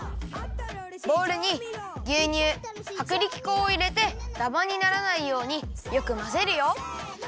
ボウルにぎゅうにゅうはくりき粉をいれてダマにならないようによくまぜるよ。